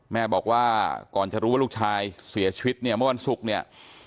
แม่บอกว่าก่อนจะรู้ว่าลูกชายเสียชีวิตเนี่ยเมื่อวันศุกร์เนี่ย